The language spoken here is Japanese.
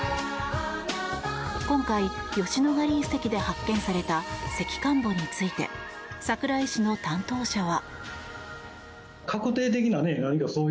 今回、吉野ヶ里遺跡で発見された石棺墓について桜井市の担当者は。